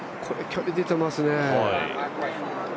これ、距離出てますね。